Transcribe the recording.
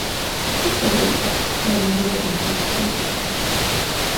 El següent pas l'havien de donar en família.